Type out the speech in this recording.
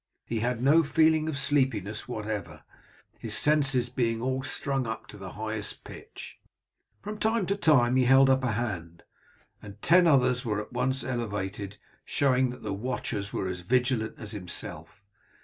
He had no feeling of sleepiness whatever, his senses being all strung up to the highest pitch. From time to time he held up a hand, and ten others were at once elevated, showing that the watchers were as vigilant as himself.